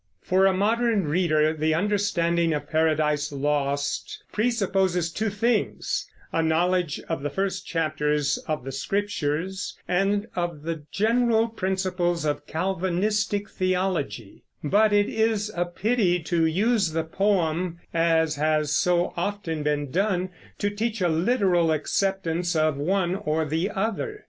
For a modern reader the understanding of Paradise Lost presupposes two things, a knowledge of the first chapters of the Scriptures, and of the general principles of Calvinistic theology; but it is a pity to use the poem, as has so often been done, to teach a literal acceptance of one or the other.